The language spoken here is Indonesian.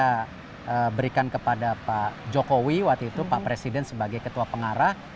saya berikan kepada pak jokowi waktu itu pak presiden sebagai ketua pengarah